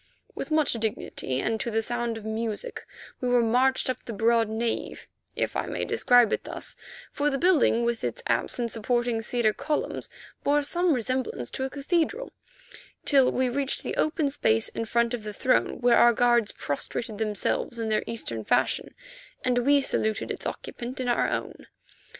With much dignity and to the sound of music we were marched up the broad nave, if I may describe it thus, for the building, with its apse and supporting cedar columns, bore some resemblance to a cathedral, till we reached the open space in front of the throne, where our guards prostrated themselves in their Eastern fashion, and we saluted its occupant in our own.